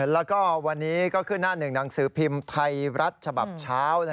แล้วก็วันนี้ก็ขึ้นหน้าหนึ่งหนังสือพิมพ์ไทยรัฐฉบับเช้า